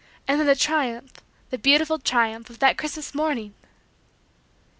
And then the triumph the beautiful triumph of that Christmas morning!